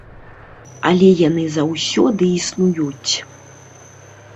Але яны заўсёды існуюць.